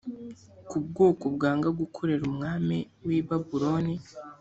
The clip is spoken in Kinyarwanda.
ku bwoko bwanga gukorera umwami w i babuloni